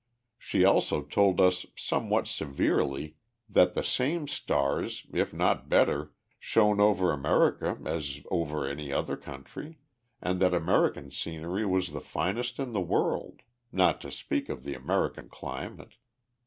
She also told us somewhat severely that the same stars, if not better, shone over America as over any other country, and that American scenery was the finest in the world not to speak of the American climate.